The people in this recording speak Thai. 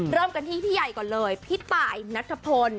เริ่มกันที่พี่ใหญ่ก่อนเลยพี่ตายนัทพล